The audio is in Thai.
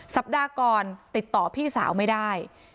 สัปดาห์ก่อนติดต่อพี่สาวไม่ได้